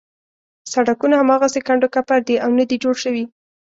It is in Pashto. سړکونه هماغسې کنډو کپر دي او نه دي جوړ شوي.